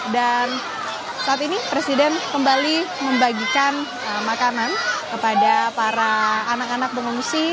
dan saat ini presiden kembali membagikan makanan kepada para anak anak pengungsi